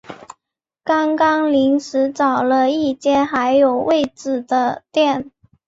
刚刚临时找了一间还有位子的店